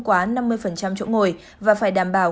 quá năm mươi chỗ ngồi và phải đảm bảo